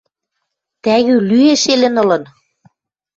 Тӓгӱ лӱэн шелӹн ылын.